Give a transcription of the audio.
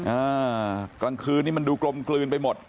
อ่ากลางคืนนี้มันดูกลมกลืนไปหมด